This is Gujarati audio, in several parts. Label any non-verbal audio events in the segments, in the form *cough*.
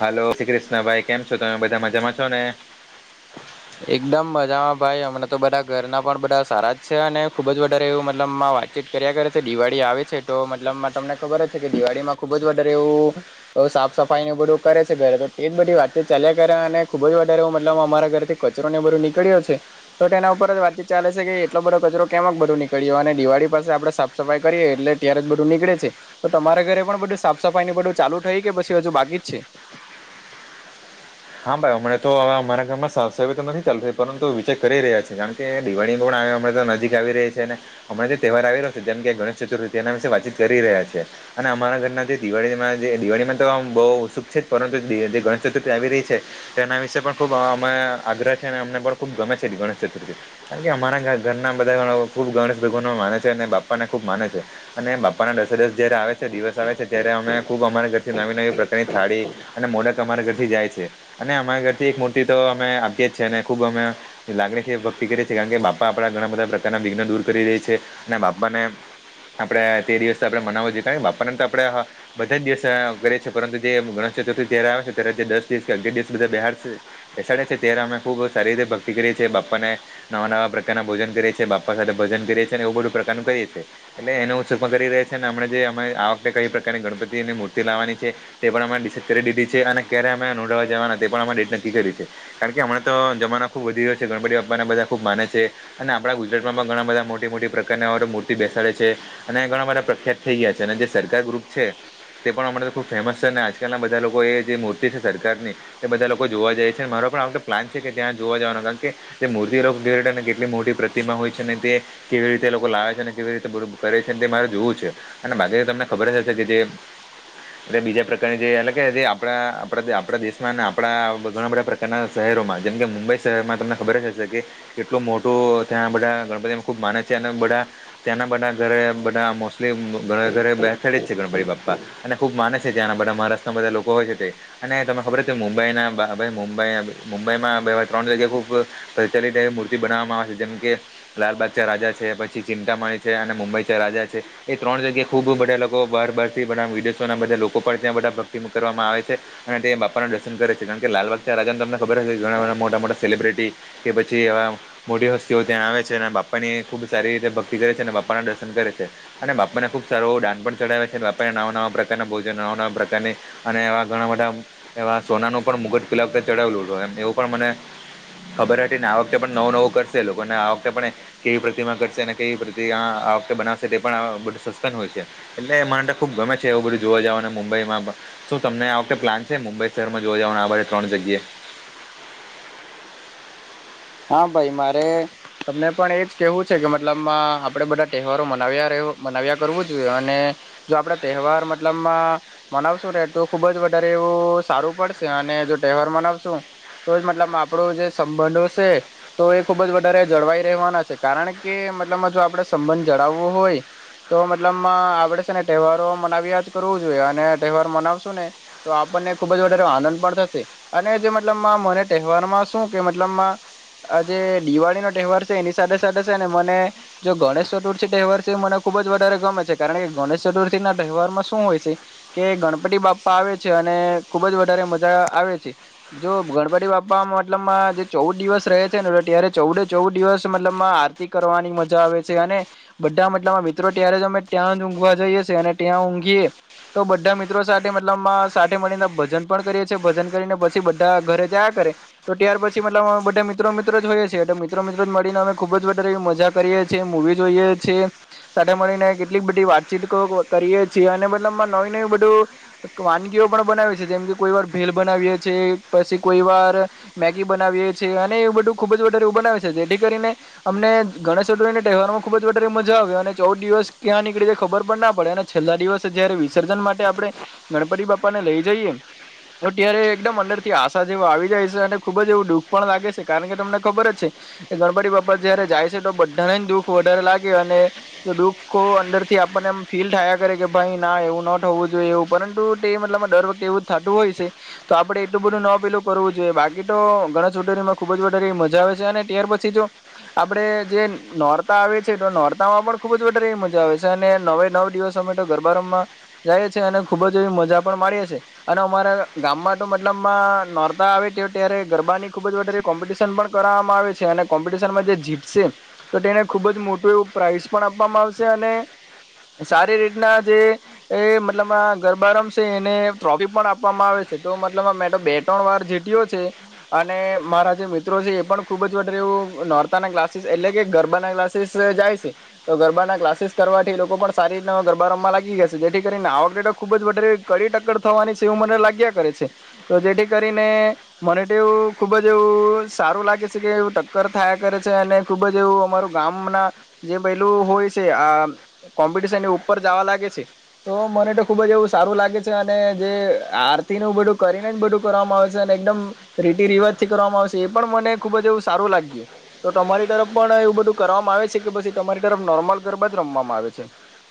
હાલો જય શ્રી કૃષ્ણભાઈ કેમ છો તમે બધા મજામાં છો ને. એકદમ મજામાં ભાઈ અમણા તો બધા ઘરના પણ બધા સારા જ છે અને ખુબ જ વધારે એવું મતલબ વાતચીત કર્યા કરે છે દિવાળી આવે છે તો મતલબ તમને ખબર જ છે કે દિવાળી માં ખુબ જ વધારે એવું સાફ સફાઈ નું બધું કરે છે ઘે તો એ જ બધી વાતચીત ચાલયા કરે અને ખુબ જ વધારે મતલબ અમારા ઘરથી કચરો ને બધું નીકળ્યો છે તો તેના ઉપર જ વાતચીત ચાલે છે કે એટલો બધો કચરો કેમક બધું નીકળ્યો અને દિવાળી પાસે આપણે સાફ સફાઈ કરીએ એટલે ત્યારે જ બધું નીકળે છે તો તમારા ઘરે પણ બધું સાફ સફાઈ ને બધું ચાલુ થઈ કે પછી હજુ બાકી જ છે. *inaudible* હા ભાઈ અમને તો અમારા ઘરમાં સાફ સફાઈ તો નથી ચાલતી પરંતુ વિચાર કરી રહ્યા છે કારણ કે દિવાળી થોડા તો નજીક આવી રહી છે અને હમણા જે તહેવાર આવી રહ્યો છે જેમ કે ગણેશ ચતુર્થી એના વિશે વાતચીત કરી રહ્યા છીએ. અને અમારા ઘરના જે દિવાળીમાં જે દિવાળીમાં તો આમ બહુ ઉત્સુક છે પરંતુ જે ગણેશ ચતુર્થી આવી રહી છે. તેના વિશે પણ ખુબ અ આગ્રહ છે અને અને ખૂબ ગમે છે ગણેશ ચતુર્થી કારણ કે અમારા ઘરના બધા ખુબ ગણેશ ભગવાન માને છે અને બાપા ને ખુબ માને છે અને બાપાના દસે દસ જયારે આવે આવે છે દિવસ આવે છે ત્યારે અમે ખૂબ અમારા ઘરથી નવી નવી પ્રકારની થાળી અને મોડક અમારા ઘરથી જાય છે. અને અમારા ઘરથી એક મૂર્તિ તો અમે આપીએે જ છે ને ખુબ અમે લાગણી ભક્તિ કરીએ છીએ કારણ કે બાપા આપડા ઘણા બધા પ્રકારના વિઘ્ન દૂર કરી રે છે અને બાપા ને આપડે તે દિવસ આપણેે મનાવ જોઈએ કારણ કે બાપા ને તો આપણેે બધા જ દિવસ કરીએ છીએ પરંતુ જે ગણેશ તો ચતુર્થી આવે છે ત્યારે દસ દિવસ દસે દિવસ બેહા બેહાડિયે ત્યારે અમે ખૂબ સારી રીતે ભક્તિ કરીએ બાપ્પાને નવા-નવા ના ભોજન કરીએ છીએ બાપા સાથે ભજન કરીએ છીએ એવું બધું પ્રકારનું કરીએ છીએ એટલે એને સાથે સુખમાં કરીએ છીએ અને આપણે જે આ વખતે કઈ પ્રકારની ગણપતિની મૂર્તિ લાવવાની છે તે પણ નિશ્ચિત કરી દીધી છે અને ક્યારે અમે પ્રવાસ જવાના તે પણ અમે ડેટ નક્કી કર્યું છે કારણ કે હમણા તો જમાના ખુબ વધી રહ્યો છે ગણપતિ બાપાના બધા ખુબ માને છે અને આપણા ગુજરાત માં પણ ઘણા બધા મોટી મોટી પ્રકાર મૂર્તિ બેસાડે છે અને ઘણા બધા પ્રખ્યાત થઈ ગયા. અને જે સરકાર ગ્રુપ છે તે પણ હમણાં તો ખુબ ફેમસ છે અને આજકાલના બધા લોકો એ જે મૂર્તિ છે કાર ની તે બધા લોકો જોવા જાય છે મારો પણ આ પ્લાન છે કે ત્યાં જોવા જવાનો કારણ કે જે મૂર્તિરોગ *unintelligible* કેટલી મોટી પ્રતિમા હોય છે ને તે કેવી રીતે લોકો લાવે છે અને કેવી રીતે કરે છે તે મારે જોવું છે. અને બાકી તમને ખબર જ હશે કે જે એ બીજા પ્રકારની જે એટલે કે જે આપણા આપણા ત્યાં આપણા દેશમાં અને આપણા ઘણા બધા પ્રકારના શહેરોમાં જેમ કે મુંબઈ શહેરમાં તમને ખબર જ હશે કે કેટલું મોટું ત્યાં બધા ગણપતિ ખૂબ માને છે બધા ત્યાંના બધા ઘરે બધા મોસ્ટલી ણ ઘરે બેઠે જ છે ગણપરી બાપા અને ખુબ માને છે ત્યાંના બધા મહારાષ્ટના બધા લોકો હોય છે તે અને ત ખબ કે મુંબઈના ભાઈ મુંબઈ મુંબઈમાં ત્રણ જગ્યા ખૂબ પ્રચલિતવી મૂર્તિ બનાવવામાં આવે જેમ કે લાલબાગ રાજા છે પછી ચિંતાામણી છે અને મુંબઈ રાજા છે એ ત્રણ જગ્યા ખુબ બધા લોકો બાર બારથી બધ વિડીયોો બધા લોકો પણ ત્યાં બધા ભક્તિ કરવામાં આવે છે અને તે દર્શન કરે છે કારણ કે લાલબાગ રાજાને તમને ખબર હ કે ઘણા મોટા મોટા સેલિબ્રિટી કે પછીવા મોટી હસ્તીઓ ત્યાં આવે છે અને બાપાની ખૂબ સારી રીતે ભક્તિ કરે છે અને બાપાના દર્શન કર છે અને બાપાને ખૂબ સ દાન પણ ચડાવે છેપારીને નવા નવા પ્રકારના ભોજન નવા નવા પ્રકારની અને એવા ઘણા બધા એવા સોનાનું પણ મુગટ પેલા વખતે ચઢાવલું હતું એમ એવું પણ મને ખબર હતી ને આ વખતે પણ નવું નવું કરશે લોકોને આ વખતે પણ કેવી પ્રતિમા કરશે અને કેવી પ્રત આ વખતે બનાવશે તે પણ આ બધું સસ્પેન્ડ હોય છે એટલે મનેને ખૂબ ગમે છે એવું બધું જોવા જાવઓ અને મુંબઈમાં શું તમને આ વખતે પ્લાન છે મુંબઈ શહેરમાં જોવા જાવને આભરે ત્રણ જગ્યા હા ભાઈ મારે તમને પણ એજ કેવું છે કે મતલબ આપડે બધા તહેવારો મનાવ્યા રહ્યો નાવ્યા કરવું જોઈએ અને જો આપણે તહેવાર મતલબ મનાવશું ને તો ખુબ વધારે એવ સારું પડશે અને જો તહેવાર મનાવશું તો જ મતલબ આપણો જે સંબંધો તો એ ખુબ જ વધારે જળવાઈ રહેવાના છે કારણ કે મતલબમાં જો આપડણે સંબંધ જળવવો હોય તો મતલબ આપડે છે ને તહેવારો મનાવ્યા જ કરવું જોઈએ અને તહેવાર મનાવશું ને તો ને ખૂબ જ વધારે આનંદ પણ થશે અને જે મતલબ મને તહેવારમાં શું કે મતલબમાં આજે દિવાળી નો તહેવાર છે એની સાથે સાથે છે ને મને જો ગણેશ ચતુર્થી તહેવાર છે મને ખુબ જ વધારે ગમે છે કારણ કે ગણેશ ચતુર્થી ના તહેવારમાં શું હોય છે કે ગણપતિ બાપા આવે છે અને ખુબ જ વધારે મજા આવે છે જો ગણપતિ બાપ્પા મતલબમાં જે ચૌદ દિવસ રહે છે ને ત્યારે ચૌદે ચૌદ દિવસ મતલબમાં આરતી કરવાની મજા આવે છે અને બધા મતલબ મિત્રો ત્યારે તમે ત્યાં જ ઊંઘવા જઈએ છી અને ત્યાં ઊંઘીએ તો બધા મિત્રો સાથે મતલબ સાથે મળીને ભજન પણ કરીએ છીએ ભજન કરીને પછી બધા ઘરે જયા તો ત્યાર પછી મતલબ બધા મિત્ર મિત્રો મિત્રો જોઈએી એલે મિત્ર મિત્રો મળીને અમે ખુબ જારેવી મજા કરીએ છીએ મુવી જોઈએ છી સાથે મળીને કેટલીક બધી વાતચીત કરીએ છીએ અને મતલબમાં નવી નવી બધું વાનગીઓ પણ બનાવી જેમ કે કોઈ વાર ભેલ બનાવીએ છે પછી કોઈ વાર મેગી બનાવીએ છી એવ બધું ખુબ જ વધારે એવ બનાવે છે જેથી કરીને અમને ગણેશ ચોઠવણી ના તહેવાર માં ખુબ જ વધારે મજા આવ અને ચૌદ દિવસ ક્યાં નીકળે છે ખબર પણ ના પડે અને છેલ્લા દિવસ જયારે વિસર્જન માટે આપણે ગણપતિ બાપા લઈ જઈએ અત્યારે એકદમ અંદર થી આશા જેવ આવી જાય છે અને ખુબ જ એવું દુઃખ પણ લાગે છે કારણ કે તમને ખબર જ છે કે ગણપતિ બાપ્પા જયારે જાય છે તો બધાને દુઃખ વધારે લાગે અને તો દુઃખ અંદર થી આપણને એમ ફીલ થયા કરે કે ભાઈ ના એવું ન થવું જોઈએ એવું પરંતુ તે મતલબ દર વખતે એવું જ થતું હોય છે તો આપડ એટું બધું ન પેલું કરવું જોઈએ બાકી તો ગણેશ ચૂટરીમાં ખૂબ જ વધારે મજા આવે છે અને ત્યાર પછી જો આપડણે જે નોર્તા આવે છે તો નોર્તામાં પણ ખુબ જ વારે એવી મજા આવે છે અને નવે નવ દિવસ અમે તો ગરબા રમાં જએ છીએ અને ખુબ જ એવી મજા પણ અને અમારા ગામમાં તો મતલબ નોરતા આવે ત્યારે ગરબાની ખુબ જ વધારે કોમ્પિટિશન પણ કરવામાં આવે છે અને કોમ્પિટિશનમાં જે જીતશે તો તેને ખુબ જ મોટું એવું પ્રાાઈઝ પણ આપવામાં આવશે અને સારી રીતના જે એ મતલબમાં ગરબા રમ છે એને ટ્રોફી પણ આપવામાં આવે છે તો મતલબ મેં તો બે ત્રણ વાર જીત્યો છે અને મારા મિત્રો છે એ પણ ખુબ જ વ એવું નોરતા ના ક્લાસીસ એટલે કે ગરબા ના ક્લાસીસ જાય છે તો ગરબાના કલાસીસ કરવાથી લોકો પણ સારી રીત ગરબા રમવા લાગી જશે જેથી કરીને આવકડેટો ખુબ જ વધારે થવાની છેવું મને લાગ્યા કરે છે તો જેથી કરીને મને તેવું ખુબ જ એવું સારું લાગે છે કે એ ટક્કર થયા કરે છે અને ખુબ જ એવું અમારું ગામ ના જે પલું કોઈ છે આ કોમ્પિટશનની ઉપર જવા લાગે છે તો મને તો ખુબ જ એવું સારું લાગે છે અને જે આર નું બધું કરીને જ બધું કરવામાં આવેશે અને એકદમ રીતિ રિવાજ થી કરવામાં આવે એ પણ મને ખુબ જ એવું સારું લાગ્યું તો તમારી તરફ પણ એવું બધું કરવામાં આવે છે કે પછી તમારી તરફ *unintelligible* ગરબા જ રમવામાં આવે છે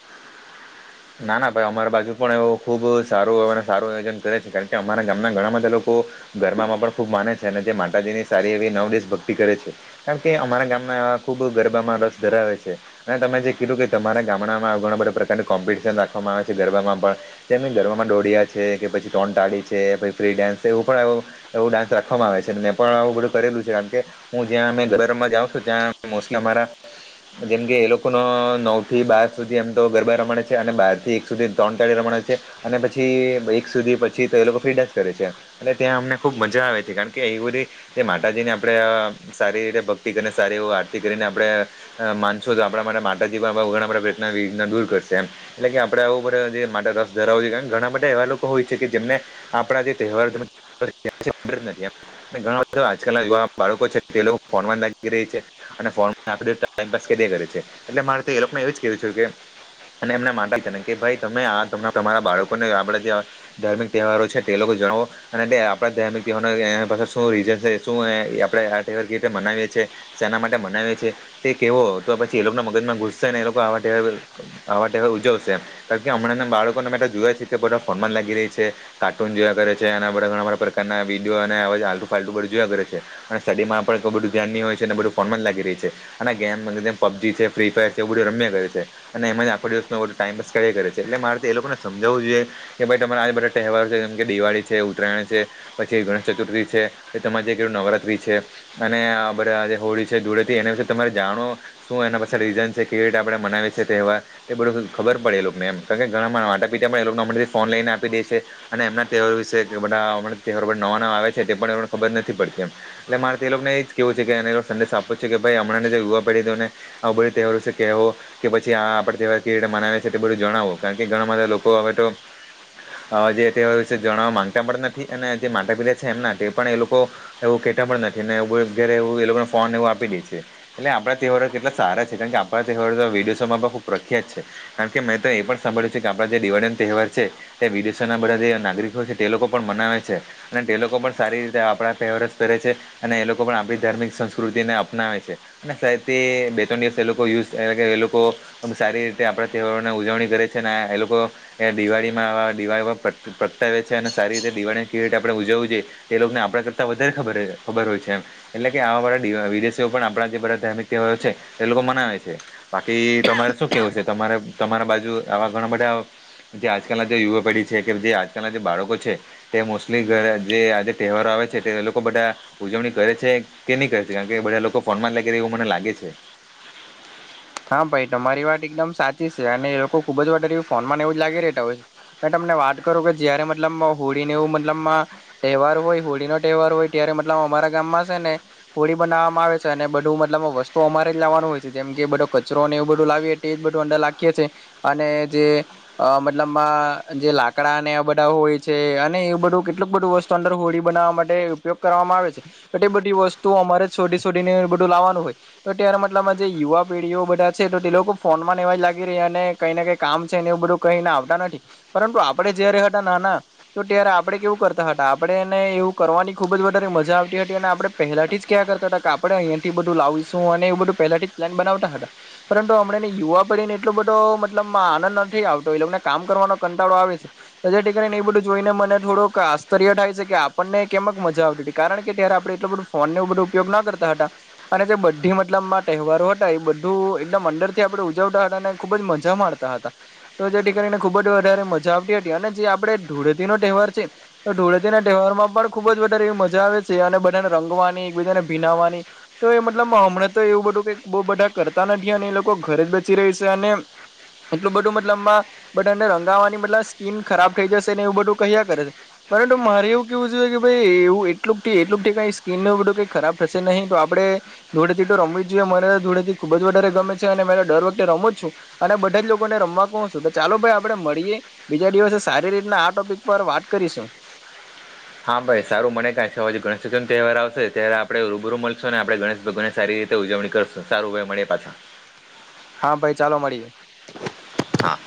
*inaudible* ના ના ભાઈ અમારા બાજુ પણ એવો ખુબ સારું એ સારું આયોજન કરે છે કારણ કે અમારા ગામના ઘણા બધા લોકો ગરબા માં પણ ખૂબ માને છે અને જે માતાજી ની સારી એવી નવ દીવશ ભક્તિ કરે છે કારણ કે અમારા ગામના ખુબ ગરબામાં રસ ધરાવે છે અને તમે જે કીધું કે તમારા ગામડામાં ઘણા બધા પ્રકારની કોમ્પ *unintelligible* રાખવામાં આવે છે ગરબામાં પણ તેમની ગરબામાં ડોડિયા છે કે પછી તોણ ટાળી છે પછી ફ્રી ડાન્સ એવું પણ એવુ એવું ડાન્સ રાખવામાં આવે છે મેં પણ આવું બધું કરેલું છે કારણ કે હું જ્યાં અ ઘરમાં જાઉં છું ત્યાં *unintelligible* જેમ કે એ લોકો નવ થી બાર સુધી એમ તો ગરબા રમાડે અને બહાર થી એક સુધી ત્રણ ટાળી રમાડે છે, અને પછી એક સુધી પછી તો એ લોકો ફ્રી ડન્સ કરે છે. એટલે ત્યાં અમને ખુબ મજા આવે તી કારણ કે એ બધી જે માતાજી ને આપણેે અ સારી રીતે ભક્તિ કરી સા આરતી કરીને આપણે માનશો તો આપણા માટે માતાજી પ્રયત્નના દૂર કરશે એમ. એટલે કે આપડે આવું બધે જે માટે રસ ધરાવો જોઈએ, કારણ કે ઘણા બધા એવા લોકો હોય છે કે તેમને આપણા જે તહેવાર તેમજ *inaudible* ઘણા બધા આજકાલના યુવા બાળકો છે તે લોકો ફોન માં લાગી રહે છે અને ફોન આપણે ટાઈમ પાસ કરે છે એટલે મારે તો એ લોકોને એવ જ કેવુ છે કે અને એમને માટે જ કે ભાઈ તમે આ તમારા બાળકોને આપડે જે આ ધાર્મિક તહેવારો છે તે લોકો જણાવ અને તે આપડા દૈનિક જીવન માં એના પાછળ શું રીઝન છે શું હે એ આપડે *unintelligible* કે રિતે મનાવીએ છે. સેના માટે મનાવીએ છે તે કેવો હોય તો પછી એ લોકો ના મગજ માં ઘુસ સે ને એ લોકો આવા *unintelligible* આવા તહેવાર ઉજવશે એમ કારણ કે હમણાં બાળકોને માટે જોઈયા છે કે બધા ફોનમાં લાગી રહી છે કાર્ટૂન જોયા કરે છે ને બધા ઘણા બધા પ્રકારના વિડીયો અને આલતુ ફાલતુ બધૂ જોયા કરે છે અને સ્ટડી માં પણ એટલું બધું ધ્યાન નઈ હોય છે ને બધું ફોનમાં જ લાગી રહી છે અને ગેમ પબજી છે ફ્રી ફાયર છે એવું બધું રમ્યા કરે છે અને એમાં આખા દિવસનો ટાઈપસ કર્યા કરે છે એટલે મારે તો એ લોકોને સમજાવું જોઈએ કે ભાઈ તમારા આ બધા તહેવારો છે જેમ કે દિવાળી છે ઉત્તરાયણ છે પછી ગણેશ ચતુર્થી છે એ તમારે જે કીધું નવરાત્રી છે અને બધા હોળી છે ધૂળેટી એના વિશે તમેં જાણો શું એના પાસે રીઝન છે કેવી રીતે આપડે મનાવી છે તહેવાર એ બધું ખબર પડે એ લોકને એમ કારણ કે ઘણા મા માતા પિતા પણ એ લોકોને ફોન લઈને આપી દે છે અને એમના તહેવારો વિશે છે તે બધા હમણાં તહેવારો નવા નવા આવે છે પણ એને ખબર નથી પડતી એમ એટલે મારે તો એ લોકને એજ કેવું છે કે સંદેશ આપો છે કે ભાઈ હમણાં જે યુવા પેઢી ને આવું બધી તહેવારો છે કહેવો કે પછી આપડા તેહવારો કેવી રિતે મનાવે છે તે બધું જણાવો કારણ કે ઘણા બધા લોકો હવે તો જે તેવારો જાણવા માંગતા પણ નથી અને જે માટા પિટા છે એમના તે પણ એ લોકો એવું કે કેતા પણ નથી ને એવું બધું ત્યારે એવું એ લોકોને ફોનને એવું આપી દે છે એટલે આપણા તહેવારો કેટલા સારા છે કારણ કે આપણા તહેવારો તો વિદેશો માં પણ ખૂબ પ્ર ખ્યાત છે કારણ કે મેં તો એ પણ સાભળ્યું છે કે આપણા જે દિવાળીનો તહેવાર છે તે વિદેશોના બધા જે નાગરિકો તે લોકો પણ મનાવે છે અને તે લોકો પણ સારી રીતે આપણા તહેવારો સ કરે છે અને એ લોકો પણ આપણી ધાર્મિક સંસ્કૃતિને અપનાવે છે અને બે ત્રણ દિવસ એ લોકો યુ એ લોકો સારી રીતે આપણા તહેવારોને ઉજવણી કરે છે ને એ લોકો એ દિવાળીમાં આ દિવાળીમાં પ્રગ પ્રખ્ યાત આવે છે અને સારી રીતે દિવાળી કેવી રીતે આપણે ઉજવું જોઈએ તે લોક ને આપણા કરતા વધારે ખબર ખબર હોય છે એમ એટલે કે આવા વાળા વિદેશીઓ પણ આપણા જે બધા ધાર્મિક તહેવારો છે એ લોકો મનાવે છે બાકી તમા શું કેવું છે તમારે તમારા બાજુ આવા ઘણા બધા જે આજકાલના જે યુવા પેઢી છે કે જે આજકાલના જે બાળકો છે તે મોસ્ટલી ઘ જે આજે તહેવારો આવે છે તે લોકો બધા ઉજવણી કરે છે કે નહી કરે છે કારણ કે બધા લોકો ફોનમાં જ લાગી રહે એવું મને લાગે છે. *inaudible* હા ભાઈ તમારી વાત એકદમ સાચી છે અને એ લોકો ખુબ જ વધારે ફોન માંને એવું જ લાગી રહેતા હોય મે તમને વાત કરું કે જયારે મતલબમાં હોળીને એવું મતલબમાં તહેવાર હોય હોળીનો તહેવાર હોય ત્યાર કે મતલબ અમારા ગામમાં છે ને હોળી બનાવવામાં આવે છે અને બધું મતલબ વસ્તુ અમારે જ લાવવાનું હોય છે જેમ કે બધો કચરોને એવું બધું લાવીએ એ જ બધું અંદર નાખીએ છે અને જે મતલબમાં જે લાકડા ને આ બધા હોય છે અને એ બધું કેટલુંક બધું વસ્તુ અંદર હોળી બનાવવા માટે ઉપયોગ કરવામાં આવે તે બધી વસ્તુઓ અમારે શોઢી શોડીને બધું લાવવાનું હોય તો ત્યારે ના મતલબમાં જે યુવા પેઢીઓ બધા છે તો તે લોકો ફોન માં એવા જ લાગી રહ્યા અને કઈ ને કઈ કામ છે ને એવું બધું કઈ ને આવતા નથી. પરંતુ આપડે જ્યારે હતા નાના તો ત્યારે આપડે કેવું કરતા હતા આપડે એને એવું કરવાની ખુબ જ વધારે મજા આવતી હટી અને આપણે પહેલાથી જ ક્યાં કરતા હતા કે આપણે અહીંયાથી બધું લાવશું એવું બધું પહેલાથી જ પ્લાન બનાવ તા હતા પરંતુ હમણાંની યુવા પેઢીને એટલો બધો મતલબ આનંદ નથી આવતો એ લોક ને કામ કરવાનો કંટા ટાડો આવે છે જેથી કરીને એ બધું જોઈને મને થોડુંક આશ્ચર્ય થાય છે કે આપણને કેમક મજા આવતી. કારણ કે ત્યારે આપે એટલું બધું ફોન બધો ઉપયોગ ના કરતા હતા અને જે બધી મતલબ તહેવારો હતા. બધું એકદમ અંંદર થી આપડે ઉજવતા હતા અને ખુબ જ મજા માણતા હતા તો જેથી કરીને ખુબ જ. વધારે મજા આવતી હતી અને જે આપડે ધૂળેતી નો તહેવાર છે તો ધૂળેતી ના તહેવાર પણ ખુબ જ વધારે. મજા આવે છે અને બધાને રંગવાની એક બીજાને ભીનાવવાની તો એ મતલબ મા હમણાં તો એવું બધું કે. બહુ બધા કરતા નથી અને એ લોકો ઘરે જ બચી રહી છે અને. એટલું બધું મતલબમાં આ બધા ને રંગાવાની મતલબ સ્કીન ખરાબ થઈ જશે ને એવું બધું કર્યા કરે છે. પરંતુ મારે એવું કેવું છે કે ભાઈ એવું એટલુંક થી એટલુંક થી કઈ સ્કીન ન બધું કઈ ખરાબ થશે નહીં તો આપડે. એ ધુળેટી તો રમવી જ જોઈએ મારે. ધુળેટી ખુબ જ વધારે ગમે છે અને મે દર વખતે રમો જ છું અને બધા જ લોકોને રમવા કહુ છું તો ચાલો ભાઈ આપડે. મળીએ બીજા દિવસે સારી રીતના આ ટોપિક પર વાત કરીશું. *inaudible* હા ભાઈ સારું મને કાંઈક છે હવે જે ગણેશ ચતુર્થી નો તહેવાર આવશે ત્યારે આપણે રૂબરૂ મળશો ને આપણે ગણેશ ભગવાનને સારી રીતે ઉજવણી કરશું સારું ભાય મળીએ પાછા. હા ભાઈ ચાલો મળીએ. હા